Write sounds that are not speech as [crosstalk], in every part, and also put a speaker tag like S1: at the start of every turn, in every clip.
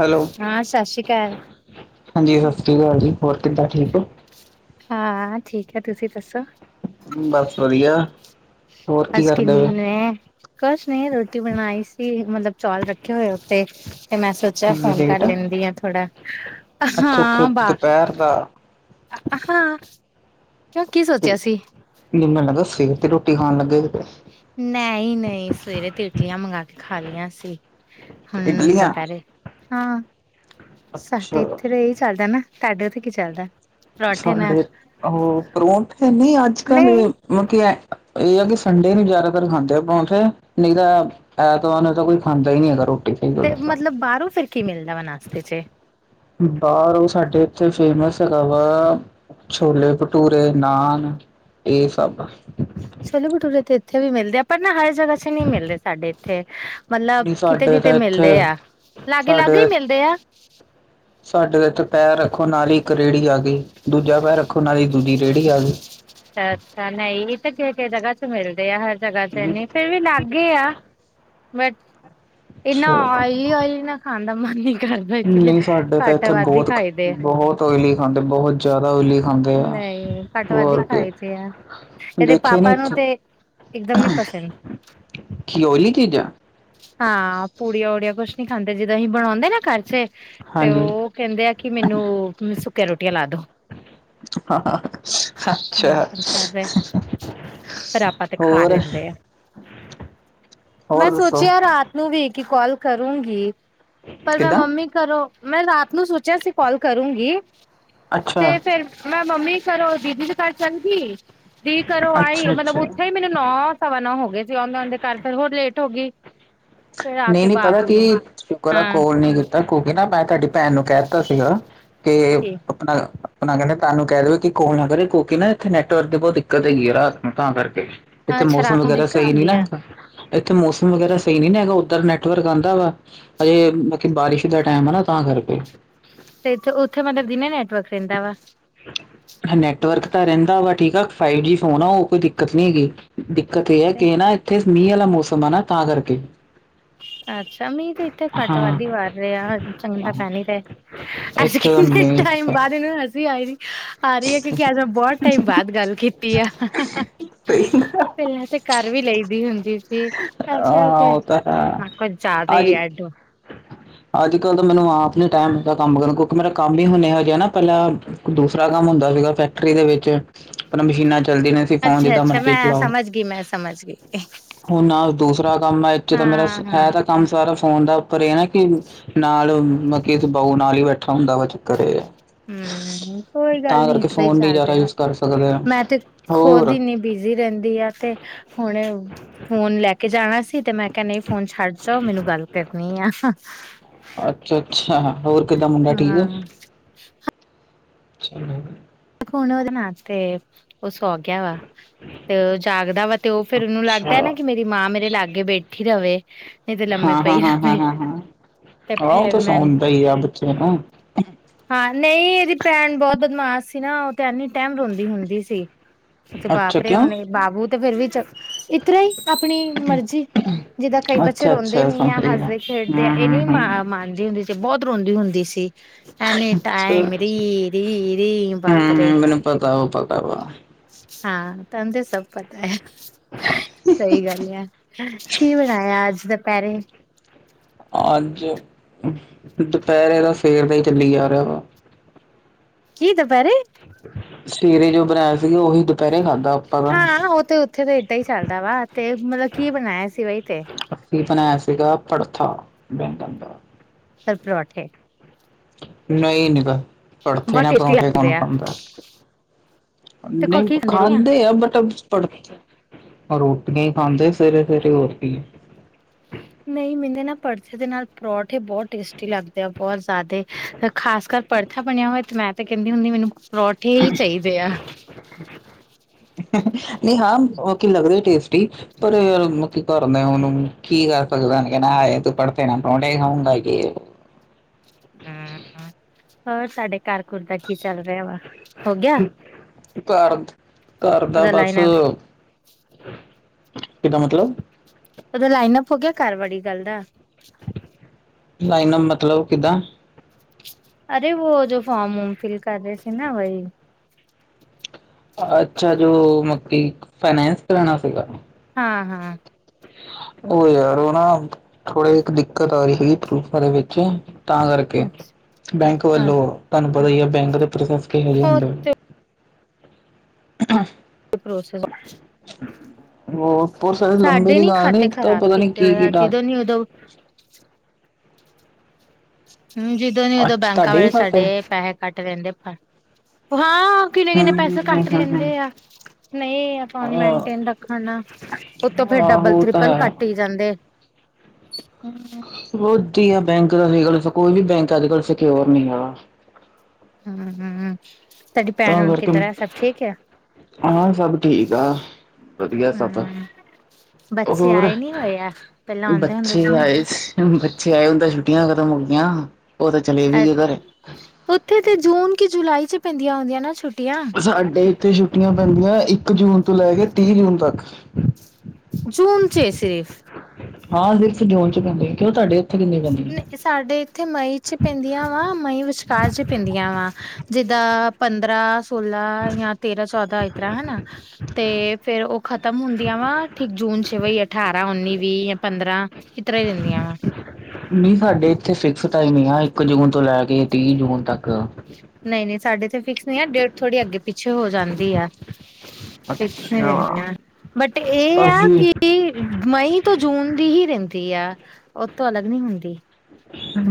S1: Hello,
S2: ਹਾਂ ਸਤਿ ਸ੍ਰੀ ਅਕਾਲ
S1: ਹਾਂਜੀ ਸਤਿ ਸ਼੍ਰੀ ਅਕਾਲ ਜੀ। ਹੋਰ ਕਿੱਦਾਂ, ਠੀਕ ਹੋ?
S2: ਹਾਂ, ਠੀਕ ਹੈ। ਤੁਸੀਂ ਦੱਸੋ?
S1: ਬਸ ਵਧੀਆ, ਹੋਰ ਕੀ
S2: ਅੱਜ
S1: ਕਰਦੇ ਪਏ ਔ?
S2: ਕਿੰਨੇ ਕੁਛ ਨੀ ਰੋਟੀ ਬਣਾਈ ਸੀ, ਮਤਲਬ ਚੌਲ ਰੱਖੇ ਹੋਏ ਆ ਉੱਤੇ‌। ਤੇ ਮੈਂ ਸੋਚਿਆ
S1: ਇੰਨੀ
S2: ਫੋਨ
S1: ਲੇਟ
S2: ਕਰ ਲੈਂਦੀ ਆ ਥੋੜਾ,
S1: ਅੱਛਾ ਅੱਛਾ
S2: ਅਹਾਂ ਬਾ
S1: ਦੁਪਹਿਰ ਦਾ
S2: ਅ ਹਾਂ, ਕਿਉਂ ਕੀ ਸੋਚਿਆ ਸੀ?
S1: ਨੀ ਮੈਨ ਲੱਗਾ ਸਵੇਰ ਤੋ ਰੋਟੀ ਖਾਣ ਲੱਗੇ ਹੋ ਤਾਂ।
S2: ਨਹੀਂ ਨਹੀਂ, ਸਵੇਰੇ ਤੇ ਇਟਲੀਆਂ ਮੰਗਾ ਕੇ ਖਾ ਲਇਆਂ ਸੀ। ਹੂ,
S1: ਕਿਤੇ ਇਡਲੀਆਂ
S2: ਦੁਪਹਿਰੇ ਹਾਂ ਸਾਡੇ
S1: ਅੱਛਾ
S2: ਇੱਥੇ ਤਾਂ ਏਹੀ ਚੱਲਦਾ ਨਾ। ਤੁਹਾਡੇ ਉਥੇ ਕੀ ਚੱਲਦਾ? ਪਰੌਠੇ ਨਾਲ
S1: ਸਾਡੇ, ਓਹ ਪਰੌਂਠੇ ਨੀ ਅੱਜ-ਕੱਲ
S2: ਨਹੀਂ
S1: ਕਿਉਂਕਿ ਐ ਲਗ ਸੰਡੇ ਨੂੰ ਜੈਦਾਤਰ ਖਾਂਦੇ ਐ ਪਰੌਂਠੇ ਨਹੀਂ ਤਾਂ ਐ ਐਤਵਾਰ ਨੂੰ ਐਥੇ ਕੋਈ ਖਾਂਦਾ ਈ ਨੀ ਹੈਗਾ ਰੋਟੀ। ਸਹੀ ਗੱਲ
S2: ਤੇ
S1: ਦੱਸਾਂ
S2: ਮਤਲਬ ਬਾਹਰੋਂ ਫੇਰ ਕੀ ਮਿਲਦਾ ਵਾ, ਨਾਸਤੇ ਚੇ?
S1: ਬਾਹਰ ਔ ਸਾਡੇ ਐਥੇ ਫੇਮਸ ਹੈਗਾ ਵਾ ਛੋਲੇ-ਭਠੂਰੇ, ਨਾਨ ਏ ਸਭ।
S2: ਛੋਲੇ-ਭਠੂਰੇ ਤੇ ਇੱਥੇ ਵੀ ਮਿਲਦੇ ਆ, ਪਰ ਨਾ ਹਰ ਜਗ੍ਹਾਹ ਚ ਨੀ ਮਿਲਦੇ ਸਾਡੇ ਇੱਥੇ। ਮਤਲਬ
S1: ਨੀ
S2: ਕਿਥੇ
S1: ਸਾਡੇ
S2: -ਕਿਥੇ
S1: ਤਾਂ ਇੱਥੇ
S2: ਮਿਲਦੇ ਆ,
S1: ਸਾਡੇ
S2: ਲਾਗੇ-ਲਾਗੇ ਹੀ ਮਿਲਦੇ ਆ।
S1: ਸਾਡੇ ਤੇ ਇੱਥੇ ਪੈਰ ਰੱਖੋ ਨਾਲ ਹੀ ਇੱਕ ਰੇੜੀ ਆ ਗਈ, ਦੂਜਾ ਪੈਰ ਰੱਖੋ ਨਾਲ ਹੀ ਦੂਜੀ ਰੇੜੀ ਆ ਗੀ।
S2: ਅਛਾ ਨਹੀਂ ਵੀ ਤਾਂ ਕੇ ਕੇਈ ਜਗ੍ਹਾਹ ਚ ਮਿਲਦੇ ਆ ਹਰ ਜਗ੍ਹਾਹ ਚ ਨੀ ਫੇਰ ਵੀ ਲੈ ਅਗੇ ਆ। ਬਟ, ਇਨਾ
S1: ਅੱਛਾ
S2: ਔਇਲੀ ਔਇਲ ਨਾ ਖਾਂਣ ਦਾ ਮਨ ਨੀ ਕਰਦਾ ਇਸਲੇ
S1: ਨਹੀਂ
S2: ਘੱਟ-ਵੱਧ ਹੀ ਖਾਈਦੇ ਐ।
S1: ਤੋ ਔਇਲੀ ਖਾਂਦੇ ਬਹੋਤ ਜੈਦਾ ਔਇਲੀ ਖਾਂਦੇ ਆ,
S2: ਨਹੀਂ ਘੱਟ ਵੱਧ ਹੀ
S1: ਹੋਰ ਕਿ
S2: ਖਾਈ ਦੇ ਆ
S1: ਦੇਖੇ ਨੀ ਇੱਥੇ।
S2: ਇੱਕਦਮ ਨੀ ਪਸੰਦ।
S1: ਕੀ ਔਇਲੀ ਚੀਜ਼ਾਂ।
S2: ਹਾਂ, ਪੁੜੀਆਂ ਉੜੀਆ ਕੁਛ ਨੀ ਖਾਂਦੇ, ਜਿਦੋਂ ਹੀ ਬਣੋੰਦੇ ਨਾ ਘਰ ਚੇ। ਤੇ
S1: ਹਾਂਜੀ
S2: ਔ ਕਹਿੰਦੇ ਆ ਕਿ ਮੈਨੂੰ ਸੁੱਕਿਆ ਰੋਟੀਆਂ ਲਾ ਦੋ। ਨਿਰਭਰ ਕਰਦਾ
S1: ਅੱਛਾ।
S2: ਪਰ ਆਪਾਂ ਤੇ ਖਾ
S1: ਹੋਰ
S2: ਰੈੰਦੇ ਐ।
S1: ਹੋਰ ਦੱਸੋ।
S2: ਸੋਚਿਆ ਰਾਤ ਨੂੰ ਵੀ ਇੱਕੀ ਕੋਲ ਕਰੂੰਗੀ ਪਰ ਮੈਂ
S1: ਕਿੱਦਾਂ
S2: ਮੰਮੀ ਕਰੋ ਮੈਂ ਰਾਤ ਨੂੰ ਸੋਚਿਆ ਸੀ ਕੋਲ ਕਰੂੰਗੀ
S1: ਅੱਛਾ
S2: ਤੇ ਫਿਰ ਮੈਂ ਮੰਮੀ ਕਰੋ ਦੀਦੀ ਦੇ ਘਰ ਚੱਲ ਗੀ ਦੀ ਕਰੋ ਆਈ
S1: ਅੱਛਾ
S2: ਮਤਲਬ
S1: ਅੱਛਾ
S2: ਉੱਥੇ ਮੈਨੂੰ ਨੌ ਸਵਾ ਨੋ ਹੋ ਗਏ ਸੀ ਆਂਦੇ-ਆਂਦੇ ਘਰ ਫਿਰ ਹੋਰ ਲੇਟ ਹੋ ਗੀ।
S1: ਨਈ- ਨਈ ਪਤਾ ਕੀ ਸੂਕਰ ਐ
S2: ਹਾਂ
S1: ਕੋਲ ਨੀ ਕੀ ਤਕ ਹੋਕੇ ਨਾ ਮੈਂ ਤਾਡੀ ਭੈਣ ਨੂੰ ਕੈ ਤਾ ਸੀਗਾ ਕੇ
S2: ਠੀਕ
S1: ਅਪਣਾ-ਅਪਣਾ ਕੈੰਦੇ ਤਾਨੂੰ ਕੈ ਦੇਵੇ ਕਿ ਕੋਲ ਨਾ ਕਰੇ ਕਿਉਂਕਿ ਨਾ ਇੱਥੇ ਨੈਟਵਰਕ ਦੀ ਬੌਤ ਦਿੱਕਤ ਹੈਗੀ ਆ ਰਾਤ ਨੂੰ ਤਾਂ ਕਰਕੇ ਇੱਥੇ
S2: ਅੱਛਾ
S1: ਮੌਸਮ
S2: ਰਾਤ ਨੂੰ
S1: ਵਗੈਰਾ
S2: ਦਿੱਕਤ
S1: ਸਹੀ ਨੀ
S2: ਹੁੰਦੀ
S1: ਨਾ
S2: ਆ।
S1: ਹੈਗਾ ਇੱਥੇ ਮੌਸਮ ਵਗੈਰਾ ਸਹੀ ਨੀ ਹੈਗਾ ਓਧਰ ਨੈਟਵਰਕ ਆਂਦਾ ਵਾ ਅਜੇ ਬਾਕੀ ਬਾਰਿਸ਼ ਦਾ ਟੈਮ ਆ ਨਾ ਤਾਂ ਕਰਕੇ
S2: ਤੇ ਇਥੇ ਓਥੇ ਮਤਲਬ ਦਿਨੇ ਨੈਟਵਰਕ ਰੈੰਦਾ ਵਾ।
S1: ਨੈਟਵਰਕ ਤਾਂ ਰੈਂਦਾ ਵਾ ਠੀਕ ਆ ਫਾਈਵ ਜੀ ਫੋਨ ਆ ਓ ਕੋਈ ਦਿੱਕਤ ਨੀ ਹੈਗੀ। ਕਕ ਹੈ ਕੇ ਨਾ ਇੱਥੇ ਮੀਂਹ ਵਾਲਾ ਮੌਸਮ ਆ ਨਾ ਤਾਂ ਕਰਕੇ
S2: ਅੱਛਾ ਮੀਂਹ ਤੇ ਇੱਥੇ ਘੱਟ
S1: ਹਾਂ
S2: ਵੱਧ ਹੀ ਵਰ ਰਿਹਾ ਆ ਚੰ [unintelligible] ਤਾਂ ਪੈ ਨੀ ਤੇ ਅੱਜ
S1: ਇੱਥੇ ਦਾ
S2: ਕਿੰਨੇ
S1: ਮੀਂਹ
S2: ਟੈਮ ਬਾਦ ਇਨਾ ਨੂੰ ਹੱਸੀ ਆਈ। ਆ ਰਹੀ ਹੈ ਕਿਉਂਕਿ ਅੱਜ ਬਹੁਤ ਟਾਈਮ ਬਾਅਦ ਗੱਲ ਕੀਤੀ ਆ। ਪੈਲਾਂ ਤੇ ਕਰ ਵੀ ਲਈ ਦੀ ਹੁੰਦੀ ਸੀ।
S1: ਹਾਂ-ਹਾਂ ਓ ਤਾ
S2: ਮ ਕੁਛ ਜਾਦਾ ਹੀ ਐਡ
S1: ਅੱਜ ਕੱਲ ਤਾਂ ਮੈਨੂੰ ਆਪ ਨ ਟੈਮ ਹੈਗਾ ਕੰਮ ਕਰਨ ਕਿਉਂਕਿ ਮੇਰਾ ਕੰਮ ਹੀ ਹੁਣ ਹੈਗਾ ਨਾ ਪੈਲਾਂ ਦੂਸਰਾ ਕੰਮ ਹੁੰਦਾ ਸੀਗਾ ਫੈਕਟਰੀ ਦੇ ਵਿੱਚ ਅਪਾਂ ਮਸ਼ੀਨਾਂ ਚੱਲਦੀਆ ਰ
S2: ਅੱਛਾ- ਅੱਛਾ ਮੈਂ ਸਮਝ ਗਈ ਮੈਂ ਸਮਝ ਗਈ।
S1: ਹੁਣ ਨਾਲ ਦੂਸਰਾ ਕੰਮ ਹੈ ਇਦੇ 'ਚ ਤਾਂ ਮੇਰਾ
S2: ਹਾਂ ਹਾਂ
S1: ਹੈ ਤਾਂ ਕੰਮ ਸਾਰਾ ਫੋਨ ਦਾ ਉੱਪਰ ਈ ਐ ਨਾ ਕਿ ਨਾਲ ਮਤਲਬ ਬਾਊ ਨਾਲ ਹੀ ਬੈਠਾ ਹੁੰਦਾ ਵਾ ਚੱਕਰ ਏ ਐ।
S2: ਹੂੰ ਕੋਈ ਗੱਲ ਨੀ ਇਸ ਤਰਾ ਹੀ
S1: ਫੋਨ ਨਹੀਂ
S2: ਚੱਲ
S1: ਜ਼ਿਆਦਾ
S2: ਰਿਆ
S1: ਯੂਜ ਕਰ ਸਕਦੇ ਆ
S2: ਮੈਂ ਤੇ ਖੁਦ
S1: ਹੋਰ
S2: ਈ ਨੀ ਬਿਜੀ ਰੈਂਦੀ ਆ ਤੇ ਹੁਣ ਫੋਨ ਲੈ ਕੇ ਜਾਣਾ ਸੀ ਤੇ ਮੈਂ ਕਿਆ ਨਈ ਫੋਨ ਛੱਡ ਜਾਓ ਮੈਨੂੰ ਗੱਲ ਕਰਨੀ ਆ।
S1: ਅੱਛਾ-ਅੱਛਾ ਹੋਰ ਕਿੱਦਾਂ ਮੁੰਡਾ ਠੀਕ
S2: ਹਾਂ
S1: ਏ। ਚਲੋ।
S2: ਹੁਣ ਉਹਦੇ ਨਾਲ ਤੇ ਓ ਸੌ ਗਿਆ ਵਾ ਤੇ ਉਹ ਜਾਗਦਾ ਵਾ ਤੇ ਉਹ ਫਿਰ ਉਹਨੂੰ
S1: ਅੱਛਾ
S2: ਲੱਗਦਾ ਨਾ ਮੇਰੀ ਮਾਂ ਮੇਰੇ ਲਾਗੇ ਬੈਠੀ ਰਵੇ। ਤੇ ਲੰਮੇ ਪਈ ਰਵੇ
S1: ਹਾਂ-ਹਾਂ-ਹਾਂ-ਹਾਂ-ਹਾਂ-ਹਾਂ
S2: ਤੇ
S1: ਆਹ ਉਹ
S2: ਫੇਰ
S1: ਤਾਂ
S2: ਮੈਂ
S1: ਸੌਣਦਾ ਹੀ ਆ ਬੱਚੇ ਨੂੰ
S2: ਹਾਂ ਨਈ ਇਹਦੀ ਭੈਣ ਬਹੁਤ ਬਦਮਾਸ਼ ਸੀ ਨਾ ਉਹ ਤੇ ਐਨੀ ਟੈਮ ਰੋਂਦੀ ਹੁੰਦੀ ਸੀ। ਉਥੇ
S1: ਅੱਛਾ
S2: ਵਾਪਰੇ
S1: ਕਿਉਂ
S2: ਹੋਣੇ ਬਾਬੂ ਤੇ ਫਿਰ ਵੀ ਇ ਤਰ੍ਹਾਂ ਈ ਆਪਣੀ ਮਰਜ਼ੀ ਜਿੱਦਾਂ ਕਈ ਬੱਚੇ
S1: ਅੱਛਾ
S2: ਰੋਂਦੇ
S1: ਅੱਛਾ
S2: ਨੇ
S1: ਸਮਝ
S2: ਯਾ
S1: ਗਈ ਮੈਂ।
S2: ਹੱਸਦੇ ਖੇਡਦੇ ਆ
S1: ਹੂੰ
S2: ਇਹ
S1: ਹੂੰ
S2: ਨਹੀਂ ਮ
S1: ਹੂੰ
S2: ਮਾਨਦੀ ਹੁੰਦੀ ਸੀ। ਤੇ ਬਹੁਤ ਰੋਂਦੀ ਹੁੰਦੀ ਸੀ ਐਨੀ
S1: ਚਲ
S2: ਟਾਇਮ ਰੀ- ਰੀ-ਰੀ ਵਾਪਰੇ
S1: ਭਰਦਾ ਵਾ ਭਰਦਾ ਵਾ
S2: ਹਾਂ ਤੈਨੂ ਤੇ ਸਭ ਪਤਾ ਐ। ਸਹੀ ਗੱਲ ਆ ਕੀ ਬਣਾਇਆ ਅੱਜ ਦੁਪੈਰੇ
S1: ਅੱਜ ਦੁਪੈਰੇ ਤਾ ਸਵੇਰ ਦਾ ਹੀ ਚੱਲੀ ਜਾ ਰਿਹਾ ਵਾ।
S2: ਕਿ ਦੁਪੈਰੇ
S1: ਸਵੇਰੇ ਜੋ ਬਣਾਇਆ ਸੀਗਾ ਉਹੀ ਦੁਪੈਰੇ ਖਾਂਦ
S2: ਹਾਂ ਓ ਤੇ ਉੱਥੇ ਤਾਂ ਏਦਾਂ ਹੀ ਚੱਲਦਾ ਵਾ ਤੇ ਮਤਲਬ ਕੀ ਬਣਾਇਆ ਸੀ ਵਹੀ ਤੇ
S1: ਕੀ ਬਣਾਇਆ ਸੀਗਾ ਭੜਥਾ ਬੈਂਗਣ ਦਾ
S2: ਸਿਰਫ ਪਰੌਠੇ
S1: ਨਹੀਂ ਨੀਗਾ ਭੜਥੇ
S2: ਬਹੁਤ
S1: ਨਾਲ
S2: ਟੇਸਟੀ
S1: ਪਰੌਂਠੇ
S2: ਲੱਗਦੇ
S1: ਕੌਣ
S2: ਆ
S1: ਖਾਂਦਾ,
S2: ਤੇ ਕੋ
S1: ਨਹੀਂ
S2: ਕੀ ਰੋਟੀਆਂ
S1: ਖਾਂਦੇ ਆ ਬਟ ਮਨ ਰੋਟੀਆਂ ਹੀ ਖਾਂਦੇ ਸਵੇਰੇ ਸਵੇਰੇ ਹੋਰ ਕੀ
S2: ਨਹੀਂ ਮੈਨੂ ਨਾ ਭੜਥੇ ਦੇ ਨਾਲ ਪਰੌਠੇ ਬਹੁਤ ਟੇਸਟੀ ਲੱਗਦੇ ਆ ਬਹੁਤ ਜ਼ਿਆਦੇ ਖਾਸ ਕਰ ਭੜਥਾ ਬਣਿਆ ਹੋਏ ਤੇ ਮੈਂ ਤੇ ਕਹਿੰਦੀ ਹੁੰਦੀ ਮੈਨੂੰ ਪਰੌਠੇ ਹੀ ਚਾਹੀਦੇ ਆ
S1: ਨਹੀਂ ਹਾਂ ਕੀ ਲੱਗਦੇ ਟੇਸਟੀ ਪਰ ਯਾਰ ਕੀ ਕਰਨਾ ਉਹਨੂੰ ਕੀ ਕਰ ਸਕਦਾ ਕਹਿੰਣਾ ਆ ਤੂੰ ਭੜ੍ਹਦੇ ਨਾਂਲ ਪਰੋਂਠੇ ਹੀ ਖਊਂਗਾ ਯੇ
S2: ਹੂੰ, ਹੋਰ ਸਾਡੇ ਘਰ ਘੁਰ ਦਾ ਕੀ ਚੱਲ ਰਿਹਾ ਵਾ ਹੋ ਗਿਆ।
S1: ਘਰ, ਘਰ ਦਾ
S2: ਉਹਦਾ
S1: ਬਸ
S2: ਲਾਈਨ ਅਪ
S1: ਕਿਦਾ ਮਤਲਬ
S2: ਉਹਦਾ ਲਾਈਨਅਪ ਹੋ ਗਿਆ, ਘਰ ਵਾਲੀ ਗੱਲ ਦਾ
S1: ਲਾਈਅਪ ਮਤਲਬ ਕਿੱਦਾਂ
S2: ਅਰੇ ਵੋ ਜੋ ਫੋਰਮ ਵੁਮ ਫਿਲ ਕਰ ਰਹੇ ਸੀ ਨਾ ਵਹੀ
S1: ਅੱਛਾ ਜੋ ਮਕਿ ਫਾਈਨੈਂਸ ਕਰਾਣਾ ਸੀਗਾ
S2: ਹਾਂ, ਹਾਂ।
S1: ਉਹ ਯਾਰ ਉਹ ਨਾ ਥੋੜੇ ਇਕ ਦਿੱਕਤ ਆ ਰਹੀ ਸੀ ਪ੍ਰੂਫਾਂ ਦੇ ਵਿੱਚ ਤਾਂ ਕਰਕੇ
S2: ਅੱਛਾ
S1: ਬੈਂਕ ਵੱਲੋਂ
S2: ਅੱਛਾ
S1: ਤੁਹਾਨੂੰ ਪਤਾ ਹੀ ਹੈ ਬੈਂਕ ਦੇ ਪ੍ਰੋਸੈਸ ਕਿਹੋ ਜਿਹੇ
S2: ਉਹ
S1: ਹੁੰਦੇ [unintelligible]
S2: ਪ੍ਰੋਸ
S1: ਉਹ ਪ੍ਰੋਸੈਸ ਲੰਬੇ
S2: ਸਾਡੇ
S1: ਦੀ
S2: ਨੀ
S1: ਗੱਲ
S2: ਖਾਤੇ
S1: ਇੱਕ ਤਾਂ
S2: ਖ਼ਰਾਬ
S1: ਪਤਾ ਨੀ
S2: ਕੀਤੇ
S1: ਕੀ
S2: ਹੋਏ ਆ
S1: ਕੀ
S2: ਜਦੋਂ ਨੀ ਉਦੋਂ ਹਮ ਜਦੋਂ ਨੀ ਉਦੋਂ
S1: ਅੱਛਾ
S2: ਬੈਂਕਾਂ
S1: ਤੁਹਾਡੇ ਵੀ
S2: ਵਾਲੇ ਸਾਡੇ
S1: ਖਾਤੇ
S2: ਪੈਸੇ ਕੱਟ ਰਹਿੰਦੇ ਹਾਂ ਕਿੰਨੇ ਕਿੰਨੇ ਪੈਸੇ ਕੱਟ
S1: ਹੂੰ
S2: ਲੈਂਦੇ ਆ ਨਹੀਂ ਆਪ
S1: ਆਹ
S2: ਮੇਨਟੇਨ ਰੱਖਣ ਨਾ ਉਹਤੋਂ ਫੇਰ ਡਬਲ
S1: ਆਹੋ ਉਹ ਤਾਂ
S2: ਟਰਿਪਲ
S1: ਹੈ
S2: ਕੱਟ ਹੀ ਜਾਂਦੇ
S1: ਵਧੀਆ ਬੈਂਕ ਦਾ ਕੋਈ ਵੀ ਬੈਂਕ ਅੱਜ ਕਲ੍ਹ ਸਿਕਉਰ ਨੀ ਹਾ
S2: ਹਮ ਹਮ ਸਾਡੀ
S1: ਤਾਂ
S2: ਭੈਣ ਨ ਕੀ
S1: ਕਰਕੇ
S2: ਤਰ੍ਹਾਂ ਸਭ ਠੀਕ ਹੈ।
S1: ਹਾਂ ਸਭ ਠੀਕ ਆ ਵਧੀਆ ਸਭ
S2: ਹਮ ਬੱਚੇ
S1: ਹੋਰ
S2: ਆਏ ਨੀ ਹੋਏ ਆ ਪਹਿਲਾਂ ਆਉਂਦੇ ਹੁੰਦੇ
S1: ਬੱਚੇ
S2: ਸੀ ਨਾ
S1: ਆਏ ਸੀ। ਬੱਚੇ ਆਏ ਹੁੰਦੇ ਛੁਟੀਆਂ ਖਤਮ ਹੋ ਗਈਆਂ ਉਹ ਤੇ ਚਲੇ ਵੀ ਗਏ ਘਰੇ
S2: ਉੱਥੇ ਤੇ ਜੂਨ ਕਿ ਜੁਲਾਈ ਚ ਪੈਂਦੀਆਂ ਹੁੰਦੀਆਂ ਨਾ ਛੁੱ
S1: ਸਾਡੇ ਇੱਥੇ ਛੁੱਟੀਆਂ ਪੈਂਦੀਆਂ ਇੱਕ ਜੂਨ ਤੋਂ ਲੈ ਕੇ ਤੀਹ ਜੂਨ ਤੱਕ
S2: ਜੂਣ ਚ ਸਿਰਫ
S1: ਹਾਂ ਸਿਰਫ ਜੂਨ ਚ ਪੈਂਦੇ ਕਿਉਂ ਤੁਹਾਡੇ ਉੱਥੇ ਕਿੰਨੇ ਪੈਂਦੇ ਹੈ।
S2: ਇਹ ਸਾਡੇ ਇੱਥੇ ਮਈ ਚ ਪੈਂਦੀਆਂ ਵਾ ਮਈ ਵਿਚਕਾਰ ਚ ਪੈਂਦੀਆਂ ਵਾ ਜਿੱਦਾਂ ਪੰਦਰਾਂ ਸੋਲਾਂ ਜਾਂ ਤੇਰਾਂ ਚੌਦਾਂ ਇਤਰਾ ਹਨ ਨਾ ਤੇ ਫੇਰ ਉਹ ਖ਼ਤਮ ਹੁੰਦੀਆਂ ਵਾ ਠੀਕ ਜੂਨ ਛ ਵਹੀ ਅਠਾਰਾਂ ਉੱਨੀ ਵੀਹ ਜਾਂ ਪੰਦਰਾਂ ਕਿਸ ਤਰ੍ਹਾਂ ਹੀ ਦਿੰਦੀਆਂ ਵਾ
S1: ਨਹੀਂ ਸਾਡੇ ਇੱਥੇ ਸਿਕਸ ਟਾਈਮ ਹੀ ਆ ਇੱਕ ਜੂਨ ਤੋਂ ਲੈ ਕੇ ਤੀਹ ਜੂਨ ਤੱਕ
S2: ਨਹੀਂ ਨਹੀਂ ਸਾਡੇ ਤੇ ਫਿਕਸ ਨਹੀਂ ਆ ਡੇਟ ਥੋੜ੍ਹੀ ਅੱਗੇ ਪਿੱਛੇ ਹੋ ਜਾਂਦੀ ਆ
S1: ਅੱਛਾ
S2: ਬਟ ਇਹ ਆ
S1: ਅਸੀਂ
S2: ਕਿ ਮਈ ਤੋਂ ਜੂਨ ਦੀ ਹੀ ਰਹਿੰਦੀ ਆ ਉਹਤੋਂ ਅਲੱਗ ਨਹੀਂ ਹੁੰਦੀ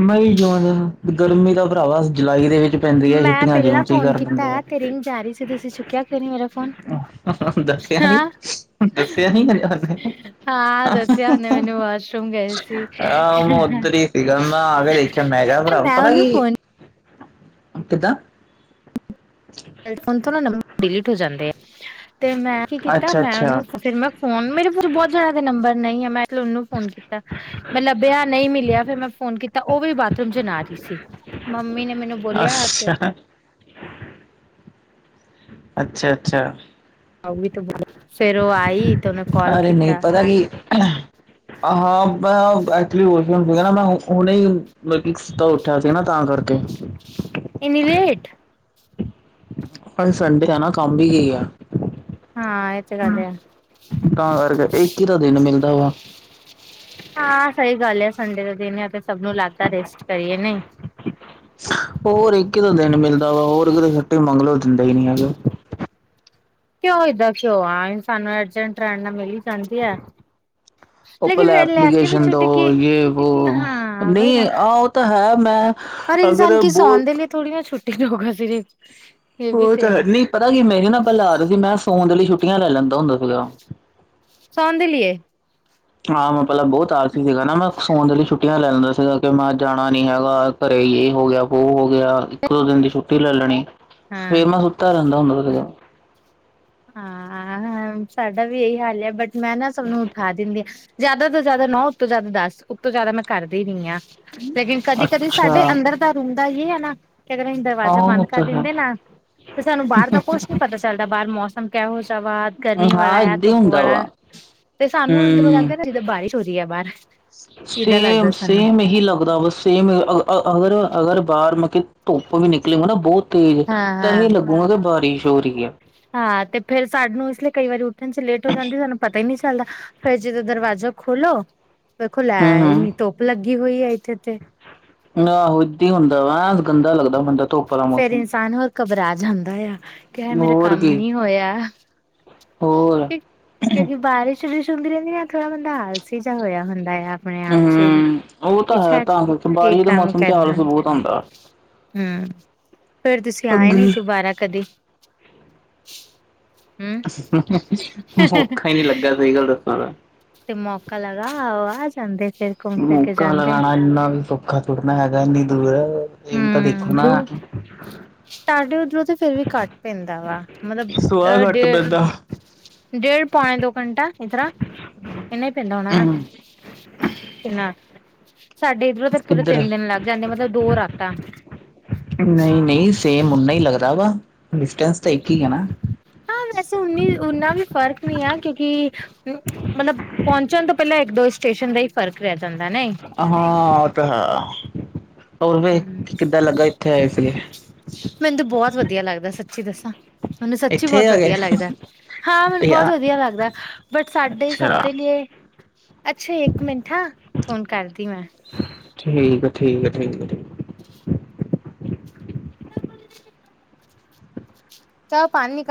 S1: ਮਈ ਜੂਨ ਗਰਮੀ ਦਾ ਭਰਾਵਾ ਜੁਲਾਈ ਦੇ ਵਿੱਚ ਪੈਂਦੀ ਹੈ
S2: ਮੈਂ
S1: ਛੁੱਟੀਆਂ
S2: ਪਹਿਲਾਂ
S1: ਜੂਨ ਚ ਹੀ
S2: ਫੋਨ
S1: ਕਰ
S2: ਕੀਤਾ
S1: ਦਿੰਦੇ ਆ
S2: ਤੇ ਰਿੰਗ ਜਾ ਰਾਰੀ ਸੀ ਤੁਸੀਂ ਚੁੱਕਿਆ ਕਿਉਂ ਨੀ ਮੇਰਾ ਫੋਨ
S1: ਦੱਸਿਆ ਨੀ
S2: ਹਾਂ
S1: ਦੱਸਿਆ ਨੀ ਕਦੇ ਉਹਨੇ
S2: ਹਾਂ ਦੱਸਿਆ ਉਹਨੇ ਮੈਨੂੰ ਬਸ ਤਮ ਗਏ ਸੀ।
S1: ਜਦੋਂ ਮੈਂ ਆ ਕੇ ਦੇਖਿਆ ਮੈਂ ਕਿਆ ਭਰਾ
S2: ਮੈਂ
S1: ਪਤਾ
S2: ਉਹਨੂੰ
S1: ਕੀ,
S2: ਫੋਨ
S1: ਕਿੱਦਾਂ?
S2: ਫੋਨ ਤੋਂ ਨਾ ਨੰਬਰ ਡਿਲੀਟ ਹੋ ਜਾਂਦੇ ਐ। ਤੇ ਮੈਂ ਕੀ ਕੀਤਾ
S1: ਅੱਛਾ
S2: ਮੈਂ
S1: ਅੱਛਾ
S2: ਉਹਨੂੰ, ਫਿਰ ਮੈਂ ਫੋਨ ਮੇਰੇ ਕੋਲ ਬਹੁਤ ਜਾਣੇਆ ਦੇ ਨੰਬਰ ਨਹੀਂ ਆ, ਮੈਂ ਫੇਰ ਓਨੂੰ ਫੋਨ ਕੀਤਾ। ਮੈਂ ਲੱਭਿਆ, ਨਹੀਂ ਮਿਲਿਆ, ਫੇਰ ਮੈਂ ਫੋਨ ਕੀਤ ਤਾਂ ਉਹ ਵੀ ਬਾਥਰੂਮ ਚ ਨਾ ਰੀ ਸੀ। ਮੰਮੀ ਨੇ ਮੈਨੂੰ ਬੋਲਿਆ ਕਿ
S1: ਅੱਛਾ। ਅੱਛਾ ਅੱਛਾ।
S2: ਉਹ ਵੀ ਬਹੁਤ, ਫੇਰ ਉਹ ਆਈ ਤੇ ਉਹਨੇ ਕਾਲ
S1: ਅਰੇ ਨਹੀਂ,
S2: ਕੀਤਾ
S1: ਪਤਾ ਕੀ, ਅ-ਹਾਂ ਮੈਂ ਓਹ ਐਕਚੁਲੀ ਵੌਸ਼ਰੂਮ ਸੀਗਾ ਨਾ, ਮੈਂ ਹੁਣੇ ਈ ਮਲਕੀ ਸੁੱਤਾ ਉੱਠਿਆ ਸੀਗਾ ਨਾ, ਤਾਂ ਕਰਕੇ
S2: ਇੰਨੀ ਲੇਟ।
S1: ਅੱਜ ਸੰਡੇ ਆ ਨਾ, ਕੰਮ ਵੀ ਕੀ ਆ।
S2: ਹਾਂ ਏ ਤੇ ਗੱਲ ਆ।
S1: ਤਾਂ ਕਰਕੇ ਇੱਕ ਈ ਤਾ ਦਿਨ ਮਿਲਦਾ ਵਾ।
S2: ਹਾਂ ਸਹੀ ਗੱਲ ਐ ਸੰਡੇ ਦਾ ਦਿਨ ਏ ਤੇ ਸਭ ਨੂੰ ਲੱਗਦਾ ਰੈਸਟ ਕਰੀਏ ਨਈ।
S1: ਹੋਰ ਇੱਕ ਈ ਤਾਂ ਦਿਨ ਮਿਲਦਾ ਵਾ, ਹੋਰ ਇਧਰੋਂ ਛੁੱਟੀ ਮੰਗਲੋ ਦਿੰਦੇ ਈ ਨੀ ਹੈਗੇ।
S2: ਕਿਉਂ ਏਦਾਂ ਕਿਓ ਆ, ਸਾਨੂੰ ਅਰਜੈਂਟ ਰਹਿਣ ਨਾਲ ਮਿਲ ਈ ਜਾਂਦੀ ਐ।
S1: ਉਹ ਪੈਲਾਂ ਐਪਲੀਕੇਸ਼ਨ ਦੋ,
S2: ਕੀ
S1: ਯੇ‌ ਵੋ, ਉਹੋ।
S2: ਹਾਂ ਵਹੀ ਨਾ
S1: ਨਹੀਂ ਆ-ਓ ਤਾਂ ਹੈ, ਮੈਂ ਅਗਰ ਬਹੁਤ
S2: ਥੋੜੀਆਂ ਛੁੱਟੀਆਂ ਹੋਗਾ ਸਿਰਿਫ
S1: ਉਹ ਤਾਂ ਹੈ, ਨਹੀਂ ਪਤਾ ਕੀ ਆ, ਮੇਰੀ ਨਾ ਪੈਲਾਂ ਆਦਤ ਸੀ, ਮੈਂ ਸੋਣ ਦੇ ਲਈ ਛੁੱਟੀਆਂ ਲੈ ਲੈਂਦਾ ਹੁੰਦਾ ਸੀਗਾ।
S2: ਸੌਣ ਦੇ ਲੀਏ।
S1: ਹਾਂ ਮੈਂ ਪਹਿਲਾਂ ਬਹੁਤ ਆਲਸੀ ਸੀਗਾ ਨਾ ਮੈਂ ਸੌਣ ਦੇ ਲਈ ਛੁੱਟੀਆਂ ਲੈ ਲੈਂਦਾ ਸੀਗਾ ਕਿ ਮੈਂ ਜਾਣਾ ਨੀ ਹੈਗਾ। ਘਰੇ ਯੇ ਹੋ ਗਿਆ, ਵੋ ਹੋ ਗਿਆ, ਇੱਕ ਦੋ ਦਿਨ ਦੀ ਛੁੱਟੀ ਲੈ ਲੈਣੀ।
S2: ਹਾਂ
S1: ਫਿਰ ਮੈਂ ਸੁੱਤਾ ਰਹਿੰਦਾ ਹੁੰਦਾ ਸੀਗਾ।
S2: ਹਾਂ-ਆਂ ਸਾਡਾ ਵੀ ਏਈ ਹਾਲ ਆ, ਬਟ ਮੈਂ ਨਾ ਸਭਨੂੰ ਠਾ ਦਿੰਦੀ ਆ, ਜਿਆਦਾ ਤੋਂ ਜ਼ਿਆਦਾ ਨੌ ਉਤੋਂ ਜ਼ਿਆਦਾ ਦਸ, ਉਤੋਂ ਜ਼ਿਆਦਾ ਮੈਂ ਕਰਦੀ ਨੀ ਆ। ਲੇਕਿਨ ਕਦੀ ਕਦੀ
S1: ਅੱਛਾ
S2: ਸਾਡੇ ਅੰਦਰ ਦਾ ਰੂਮ ਦਾ ਯੇ ਐ ਨਾ ਕਿ ਅਗਰ ਅਸੀਂ
S1: ਹਾਂ
S2: ਦਰਵਾਜ਼ਾ
S1: ਉਹ
S2: ਬੰਦ ਕਰ
S1: ਤਾਂ ਹੈ।
S2: ਦਿੰਦੇ ਨਾ, ਫੇਰ ਸਾਨੂੰ ਬਾਹਰ ਦਾ ਕੁਛ ਨੀ ਪਤਾ ਚੱਲਦਾ, ਬਾਰ ਮੌਸਮ ਕਿਹੋ ਜਿਹਾ ਵਾ, ਗਰਮੀ ਵਾਲਾ
S1: ਹਾਂ
S2: ਆ,
S1: ਏਦਾਂ ਹੀ
S2: ਧੁੱਪ
S1: ਹੁੰਦਾ ਵਾ
S2: ਵਾਲਾ। ਤੇ ਸਾਨੂੰ ਅੰਦਰੋਂ
S1: ਹੂੰ।
S2: ਲੱਗਦਾ ਨਾ ਜਿੱਦਾਂ ਬਾਰਿਸ਼ ਧੂ ਰੀ ਆ ਬਾਰ।
S1: ਸੇਮ ਸੇਮ ਏਹੀ ਲੱਗਦਾ ਬਸ ਸੇਮ ਅ-ਅ-ਅਗਰ ਅਗਰ ਬਾਹਰ ਮਲ ਕੀ ਧੁੱਪ ਵੀ ਨਿਕਲੀ ਹੋਵੇ ਨਾ ਬਹੁਤ ਤੇਜ਼,
S2: ਹਾਂ
S1: ਤਾਂ
S2: ਹਾਂ
S1: ਏਹੀ ਲਗ ਬਹੁਤ ਬਾਰਿਸ਼ ਹੋ ਰਹੀ ਆ।
S2: ਹਾਂ ਤੇ ਫਿਰ ਸਾਨੂੰ ਇਸ ਲਈ ਕਈ ਵਾਰੀ ਉੱਠਣ ਚ ਲੇਟ ਹੋ ਜਾਂਦੀ, ਸਾਨੂੰ ਪਤਾ ਈ ਨੀ ਚੱਲਦਾ। ਫਿਰ ਜਦੋਂ ਦਰਵਾਜ਼ਾ ਖੋਲੋ, ਵੇਖੋ ਲੈ
S1: ਹਮ ਹਮ
S2: ਇੰਨੀ ਧੁੱਪ ਲੱਗੀ ਹੋਈ ਐ ਇੱਥੇ ਤੇ।
S1: ਆਹੋ ਇਦਾਂ ਹੀ ਹੁੰਦਾ ਵਾ, ਗੰਦਾ ਲੱਗਦਾ ਬੰਦਾ ਧੁੱਪ ਦਾ
S2: ਫਿਰ
S1: ਮੌਸਮ
S2: ਇਨਸਾਨ ਹੋਰ ਘਬਰਾ ਜਾਂਦਾ ਆ। ਕਿ ਹਾਏ ਮੇਰਾ
S1: ਹੋਰ
S2: ਕੰਮ
S1: ਕੀ
S2: ਨੀ ਹੋਇਆ।
S1: ਹੋਰ
S2: ਕਿਉਂਕਿ ਬਾਰਿਸ਼ ਬੂਰਿਸ਼ ਹੁੰਦੀ ਰਹਿੰਦੀ ਨਾ, ਥੋੜਾ ਬੰਦਾ ਆਲਸੀ ਜੇਹਾ ਹੋਇਆ ਹੁੰਦਾ ਆ। ਆਪਣੇ ਆਪ ਚ ਵੀ
S1: ਹਮ ਉਹ ਤਾਂ
S2: ਕਿ
S1: ਹੈ,
S2: ਛੱਡ
S1: ਤਾਂ ਕਰਕੇ
S2: ਕੀ
S1: ਬਾਰਿਸ਼ ਦੇ
S2: ਕੰਮ
S1: ਮੌਸਮ ਚ
S2: ਕਰਨਾ
S1: ਆਲਸ ਬਹੁਤ ਆਂਦਾ।
S2: ਹਮ, ਫਿਰ ਤੁਸੀਂ ਆਏ ਨੀ ਦੁਬਾਰਾ ਕਦੀ ਹਮ
S1: ਮੌਕਾ ਈ ਨੀ ਲੱਗਾ, ਸਹੀ ਗੱਲ ਦੱਸਾਂ ਤਾਂ।
S2: ਤੇ ਮੌਕਾ ਲਗਾਓ, ਆ ਜਾਂਦੇ ਫਿਰ। ਘੁੰਮ ਕੇ
S1: ਮੌਕਾ
S2: ਜਾਂਦੇ
S1: ਲਗਾਣਾ ਇਨਾ ਸੌਖਾ ਥੋੜੀ ਨਾ ਹੈਗਾ ਇੰਨੀ ਦੂਰ ਇਹ ਵੀ ਤਾਂ ਦੇਖੋ ਨਾ
S2: ਤੁਹਾਡੇ ਉੱਧਰੋਂ ਤੇ ਫਿਰ ਵੀ ਘੱਟ ਪੈਂਦਾ ਵਾ ਮਤਲਬ
S1: ਸੁਆਹ ਘੱਟ
S2: ਡੇਢ
S1: ਪੈਂਦਾ
S2: ਡੇਢ ਪੌਣੇ ਦੋ ਘੰਟਾ ਇਸ ਤਰ੍ਹਾਂ ਇਹਨਾ ਹੀ ਪੈਂਦਾ ਹੋਣਾ ਨਾ। ਕਿੰਨਾ ਸਾਡੇ ਇੱਧਰੋਂ ਤਾਂ ਪੂਰੇ
S1: ਕਿੱਧਰ
S2: ਤਿੰਨ ਦਿਨ ਲੱਗ ਜਾਂਦੇ ਮਤਲਬ ਦੋ ਰਾਤਾਂ
S1: ਨਹੀਂ ਨਹੀਂ ਸੇਮ ਓਨਾ ਹੀ ਲੱਗਦਾ ਵਾ ਡਿਸਟੈਂਸ ਤਾਂ ਇੱਕ ਹੀ ਹੈ ਨਾ
S2: ਹਾਂ ਵੈਸੇ ਉਨੀ ਉਨਾ ਵੀ ਫ਼ਰਕ ਨਹੀ ਹੈ ਕਿਉਂਕਿ ਮਤਲਬ ਪਹੁੰਚਣ ਤੋਂ ਪਹਿਲਾਂ ਇੱਕ ਦੋ ਸਟੇਸ਼ਨ ਦਾ ਹੀ ਫ਼ਰਕ ਰਹਿ ਜਾਂਦਾ ਨਇ
S1: ਹਾਂ ਉਹ ਤਾਂ ਹੈ ਹੋਰ
S2: ਹਮ
S1: ਫਿਰ ਕਿੱਦਾਂ ਲੱਗਾ ਇੱਥੇ ਆਏ ਸੀਗੇ।
S2: ਮੈਨੂੰ ਬਹੁਤ ਵਧੀਆ ਲੱਗਦਾ ਸੱਚੀ ਦੱਸਾਂ ਮੈਨੂੰ ਸੱਚੀ
S1: ਇੱਥੇ
S2: ਬਹੁਤ
S1: ਆ ਗਏ
S2: ਵਧੀਆ ਲੱਗਦਾ। ਹਾਂ
S1: ਅੱਛਾ
S2: ਮੈਨੂੰ
S1: ਠੀਕ
S2: ਬਹੁਤ ਵਧੀਆ ਲੱਗਦਾ ਹੈ ਬਟ ਸਾਡੇ ਸਭ
S1: ਆ,
S2: ਦੇ ਲਈ ਅੱਛਾ ਇੱਕ ਮਿੰਟ ਹਾਂ ਫੋਨ ਕਰਦੀ ਮੈਂ
S1: ਠੀਕ ਹੈ ਠੀਕ ਹੈ ਠੀਕ ਹੈ ਠੀਕ
S2: [unintelligible] ਚਾਹ ਪਾਣੀ